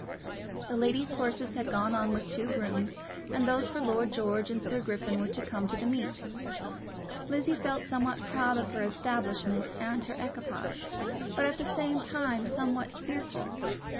The ladies' horses had gone on with two grooms, and those for Lord George and Sir Griffin were to come to the meet. Lizzie felt somewhat proud of her establishment and her equipage; but at the same time somewhat fearful.